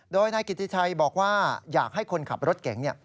โดยนายกิติชัยบอกว่าอยากให้คนขับรถเก๋ง